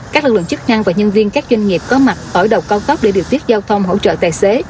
các lực lượng chức năng và nhân viên các doanh nghiệp có mặt ở đầu cao tốc để điều tiết giao thông hỗ trợ tài xế